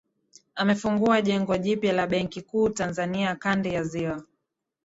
Amefungua jengo jipya la benki kuu Tanzania kanda ya ziwa